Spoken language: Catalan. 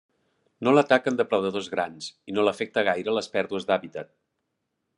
No l'ataquen depredadors grans i no l'afecta gaire les pèrdues d'hàbitat.